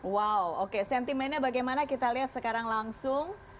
wow oke sentimennya bagaimana kita lihat sekarang langsung